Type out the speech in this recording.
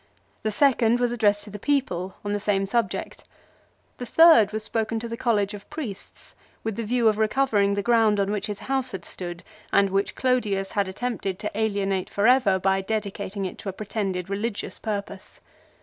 The second was addressed to the people on the same subject. The third was spoken to the college of priests with the view of recovering the B 2 4 LIFE OF CICERO. ground on which his house had stood and which Clodius had attempted to alienate for ever by dedicating it to a pretended religious purpose.